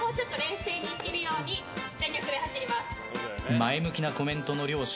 前向きなコメントの両者。